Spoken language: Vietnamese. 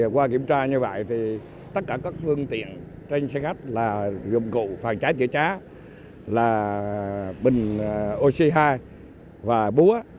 qua kiểm tra như vậy thì tất cả các phương tiện trên xe khách là dụng cụ phản trái chữa chá là bình oxy hai và búa